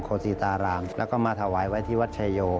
สีตารามแล้วก็มาถวายไว้ที่วัดชายโย